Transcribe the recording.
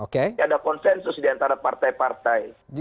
ini ada konsensus diantara partai partai